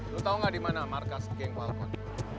lu tau gak dimana markas geng falcon